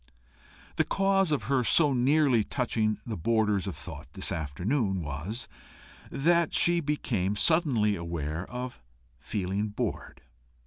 The cause of her so nearly touching the borders of thought this afternoon, was, that she became suddenly aware of feeling bored.